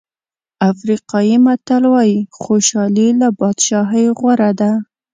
افریقایي متل وایي خوشالي له بادشاهۍ غوره ده.